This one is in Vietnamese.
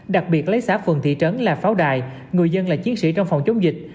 đặc biệt lấy xã phường thị trấn là pháo đài người dân là chiến sĩ trong phòng chống dịch